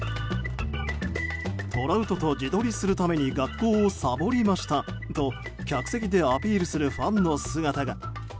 トラウトと自撮りをするために学校をさぼりましたと客席でアピールするファンの姿が。